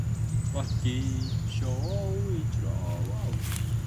He moved poetry forward from traditional mythological themes to reflect more contemporary issues.